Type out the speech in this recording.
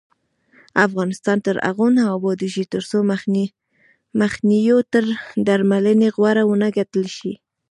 افغانستان تر هغو نه ابادیږي، ترڅو مخنیوی تر درملنې غوره ونه ګڼل شي.